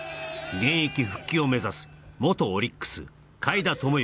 現役復帰を目指す元オリックス海田智行